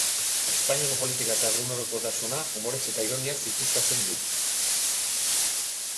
Espainiako politika eta egunerokotasuna umorez eta ironiaz ikuskatzen du.